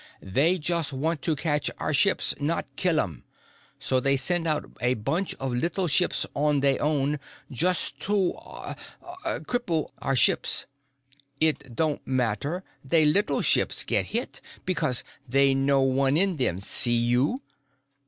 "They just want to catch our ships, not kill 'em. So they send out a bunch of little ships on they own, just to ... uh ... cripple our ships. It don't matter, they little ships get hit, because they no one in them, see you.